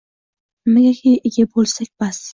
Nimagaki ega boʼlsak, bas